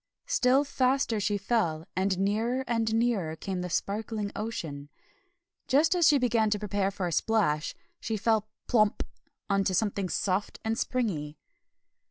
Still faster she fell, and nearer and nearer came the sparkling ocean. Just as she began to prepare for a splash, she fell PLOMP on to something soft and springy.